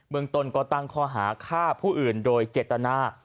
เมืองตนก็ตั้งข้อหาฆ่าผู้อื่นโดยเจตนา